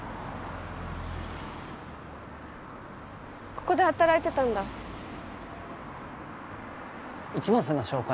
ここで働いてたんだ一ノ瀬の紹介